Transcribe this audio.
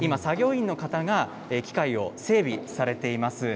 今、作業員の方が機械を整備されています。